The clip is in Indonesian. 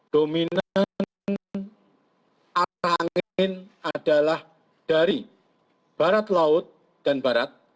dominan arah angin adalah dari barat laut dan barat